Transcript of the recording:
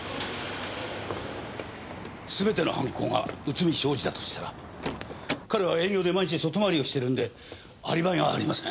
すべての犯行が内海将司だとしたら彼は営業で毎日外回りをしてるんでアリバイがありません。